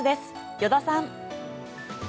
依田さん。